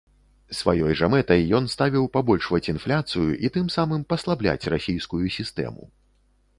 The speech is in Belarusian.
Сваёй жа мэтай ён ставіў пабольшваць інфляцыю і тым самым паслабляць расійскую сістэму.